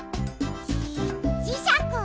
じじしゃく！